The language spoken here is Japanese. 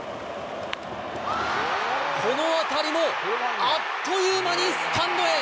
この当たりもあっという間にスタンドへ。